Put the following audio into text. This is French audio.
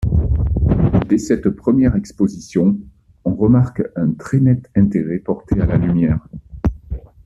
Dès cette première exposition, on remarque un très net intérêt porté à la lumière.